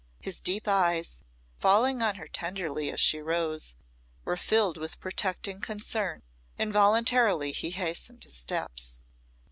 His deep eyes, falling on her tenderly as she rose, were filled with protecting concern. Involuntarily he hastened his steps.